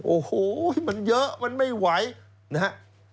โอ้โหมันเยอะมันไม่ไหวนะฮะ